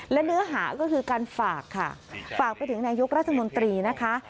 และเนื้อหาก็คือการฝากค่ะฝากไปถึงนายกรัฐมนตรีนะคะ